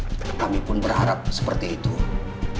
tapi kami mau melakukan pemeriksaan ulang sampai dua kali